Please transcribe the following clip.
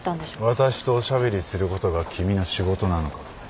私とおしゃべりすることが君の仕事なのか？